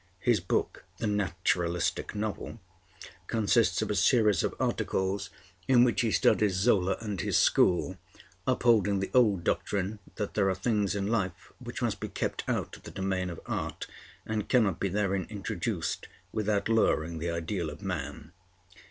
His book 'The Naturalistic Novel' consists of a series of articles in which he studies Zola and his school, upholding the old doctrine that there are things in life which must be kept out of the domain of art and cannot be therein introduced without lowering the ideal of man.